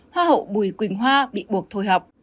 hoa hậu bùi quỳnh hoa bị buộc thôi học